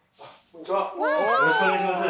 よろしくお願いします。